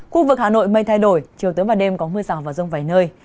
khu vực hà nội mây thay đổi chiều tối và đêm có mưa rào và rông vài nơi